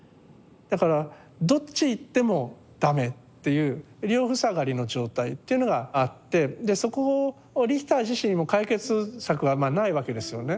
だからどっち行っても駄目っていう両塞がりの状態っていうのがあってでそこをリヒター自身も解決策はないわけですよね。